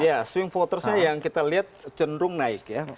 ya swing votersnya yang kita lihat cenderung naik ya